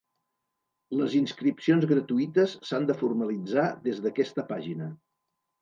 Les inscripcions gratuïtes s’han de formalitzar des d’aquesta pàgina.